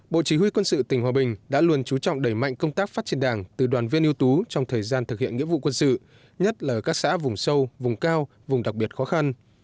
bộ chỉ huy quân sự tỉnh hòa bình đã luôn chú trọng đẩy mạnh công tác phát triển đảng từ đoàn viên ưu tú trong thời gian thực hiện nghĩa vụ quân sự nhất là ở các xã vùng sâu vùng cao vùng đặc biệt khó khăn